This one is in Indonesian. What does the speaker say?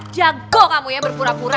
jago kamu ya berpura pura